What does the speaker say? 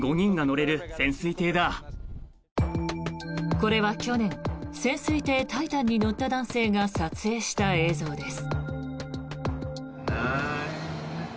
これは去年潜水艇「タイタン」に乗った男性が撮影した映像です。